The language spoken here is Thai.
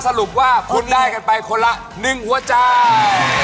สรุปว่าคุณได้กันไปคนละ๑หัวใจ